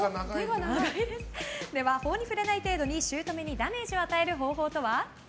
法に触れない程度に姑にダメージを与える方法とは？